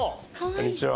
こんにちは。